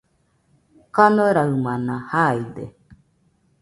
kanoraɨmana jaide